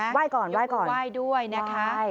ว่ายก่อนว่ายก่อนอย่าคุณว่ายด้วยนะคะ